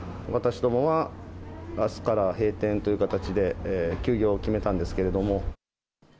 私どもは、あすから閉店という形で、休業を決めたんですけれども。